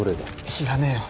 知らねえよ。